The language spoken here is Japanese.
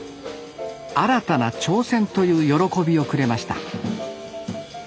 新たな挑戦という喜びをくれました